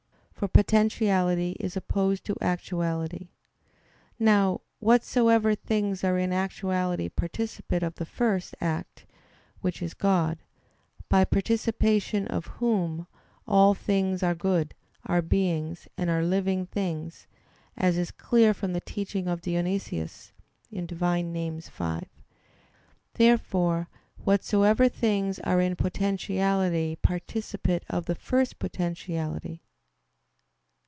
For potentiality is opposed to actuality. Now, whatsoever things are in actuality participate of the First Act, which is God; by participation of Whom, all things are good, are beings, and are living things, as is clear from the teaching of Dionysius (Div. Nom. v). Therefore whatsoever things are in potentiality participate of the first potentiality.